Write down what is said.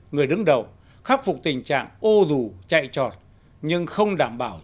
người đứng đầu khắc phục tình trạng ô rù chạy trọt nhưng không đảm bảo